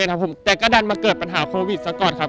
แต่ก็ดันมาเกิดปัญหาโควิดซะก่อนครับ